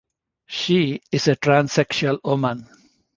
She is a transsexual woman.